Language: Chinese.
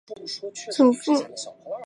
祖父陈赐全。